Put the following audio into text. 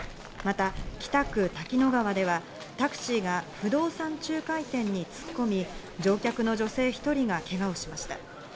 また北区滝野川ではタクシーが不動産仲介店に突っ込み、乗客の女性１人がけがをしました。